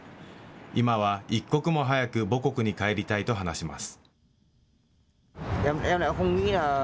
今は一刻も早く母国に帰りたいと話します。